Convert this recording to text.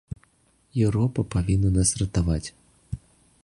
Еўропа павінна нас ратаваць.